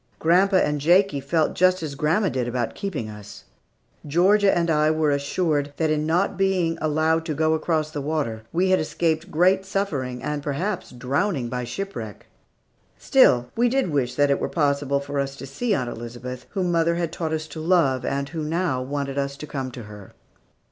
Grandpa and Jakie felt just as grandma did about keeping us. Georgia and I were assured that in not being allowed to go across the water, we had escaped great suffering, and, perhaps, drowning by shipwreck. Still, we did wish that it were possible for us to see Aunt Elizabeth, whom mother had taught us to love, and who now wanted us to come to her.